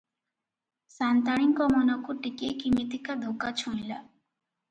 ସା’ନ୍ତାଣୀଙ୍କ ମନକୁ ଟିକିଏ କିମିତିକା ଧୋକା ଛୁଇଁଲା ।